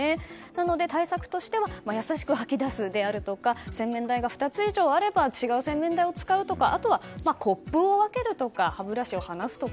対策としては優しく吐き出すとか洗面台が２つ以上あれば別の洗面台を使うとかあとはコップを分けるとか歯ブラシを離すとか